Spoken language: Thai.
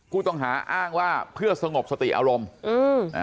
กูต้องหาอ้างว่าเพื่อสงบสติอารมณ์